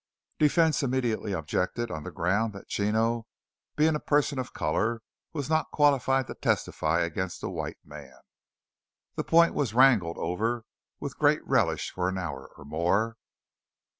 Defence immediately objected on the ground that Chino, being a person of colour, was not qualified to testify against a white man. This point was wrangled over with great relish for an hour or more.